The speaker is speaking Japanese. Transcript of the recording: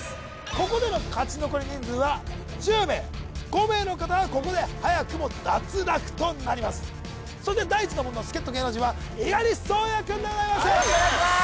ここでの勝ち残り人数は１０名５名の方はここではやくも脱落となりますそして第一の門の助っ人芸能人は猪狩蒼弥くんでございますよろしくお願いします